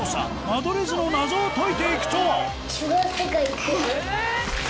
間取り図の謎を解いていくと！